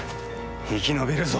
生き延びるぞ！